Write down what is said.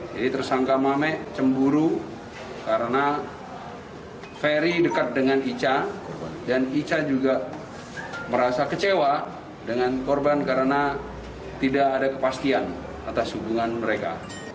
jadi tersangka mame cemburu karena ferry dekat dengan ica dan ica juga merasa kecewa dengan korban karena tidak ada kepastian atas hubungan mereka